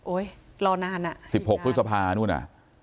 โอ้ยรอนานอ่ะสิบหกพฤศพาณฑ์สิบหกพฤศพาณฑ์นู่นน่ะ